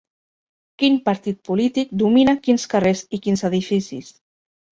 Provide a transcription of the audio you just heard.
Quin partit polític domina quins carrers i quins edificis